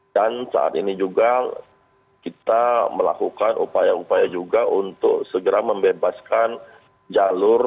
dan saat ini juga kita melakukan upaya upaya juga untuk segera membebaskan jalur